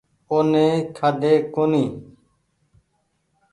او ني کآۮي ڪونيٚ